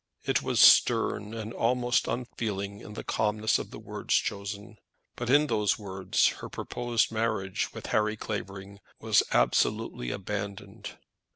It was stern and almost unfeeling in the calmness of the words chosen; but in those words her proposed marriage with Harry Clavering was absolutely abandoned.